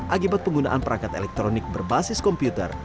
akibat penggunaan perangkat elektronik berbasis komputer